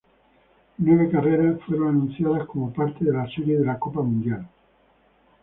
Nueve carreras fueron anunciadas como parte de la serie de la Copa Mundial.